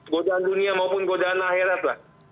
godaan dunia maupun godaan akhirat lah